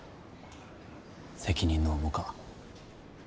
責任の重か。